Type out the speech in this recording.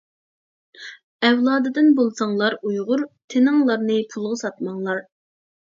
ئەۋلادىدىن بولساڭلار ئۇيغۇر، تىنىڭلارنى پۇلغا ساتماڭلار.